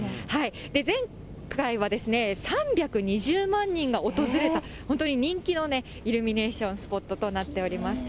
前回は３２０万人が訪れた、本当に人気のイルミネーションスポットとなっております。